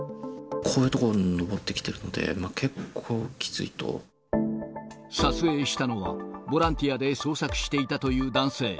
こういう所登ってきてるので、撮影したのは、ボランティアで捜索していたという男性。